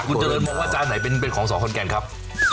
คุณเจริญมองว่าจานไหนเป็นของสอขอนแก่นครับ